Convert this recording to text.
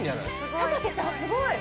佐竹さんすごい！